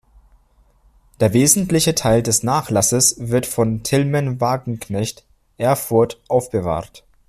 Der wesentliche Teil des Nachlasses wird von Tilman Wagenknecht, Erfurt, aufbewahrt.